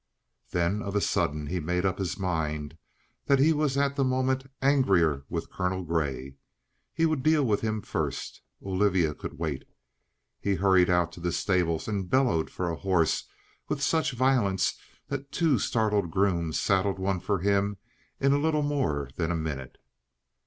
Then of a sudden he made up his mind that he was at the moment angrier with Colonel Grey. He would deal with him first. Olivia could wait. He hurried out to the stables and bellowed for a horse with such violence that two startled grooms saddled one for him in little more than a minute.